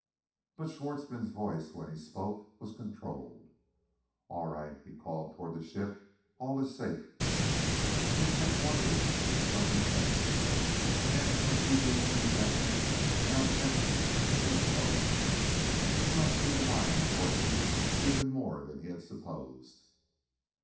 But Schwartzmann's voice, when he spoke, was controlled. "All right," he called toward the ship; "all iss safe." Yet Chet wondered at that sudden tensing, and an uneasy presentiment found entrance to his thoughts. He must keep an eye on Schwartzmann, even more than he had supposed.